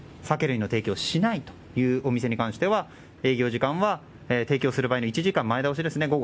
酒類の提供をしないというお店に関しては営業時間はお酒を提供する場合は１時間前倒しですね。